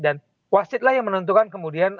dan wasitlah yang menentukan kemudian